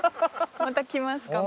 また来ますか？